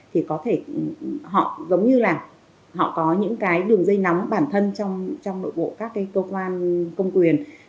thì có thể họ giống như là họ có những cái đường dây nóng bản thân trong nội bộ các cái cơ quan công quyền